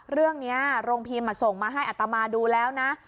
เรื่องเนี้ยโรงพิมพ์มาส่งมาให้อัตมาดูแล้วนะ